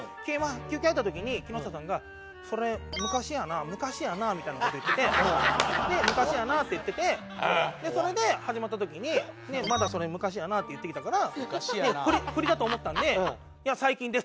休憩入った時に木下さんが「それ昔やな？昔やな？」みたいな事言っててで「昔やな？」って言っててそれで始まった時にまだ「それ昔やな？」って言ってきたから。